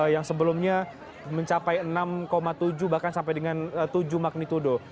yang sebelumnya mencapai enam tujuh bahkan sampai dengan tujuh magnitudo